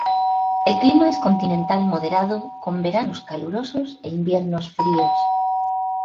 El clima es continental moderado, con veranos calurosos e inviernos fríos.